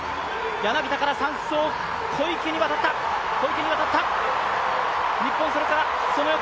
柳田から３走、小池に渡った。